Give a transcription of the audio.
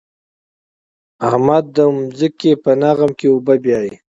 احمد د ځمکې په لغم کې اوبه بيايي.